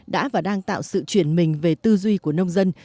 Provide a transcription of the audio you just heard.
đã và đang tạo sự chuyển mình về tư duy của nông dân